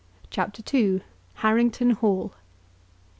CHAPTER II. HARRINGTON HALL.